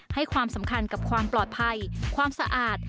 ให้ความสำคัญกับความปลอดภัยความสะอาด